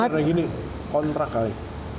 karena gini kontrak kali